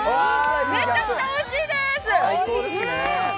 めちゃくちゃおいしいでーす。